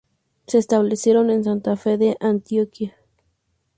Se establecieron en Santa Fe de Antioquia.